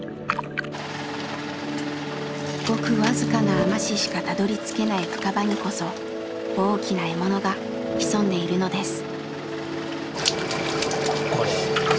ごく僅かな海士しかたどりつけない深場にこそ大きな獲物が潜んでいるのです。